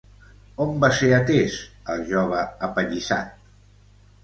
On va ser atès el jove apallissat?